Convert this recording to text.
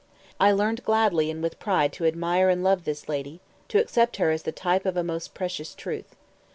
I learned gladly and with pride to admire and love this lady, to accept her as the type of a most precious truth.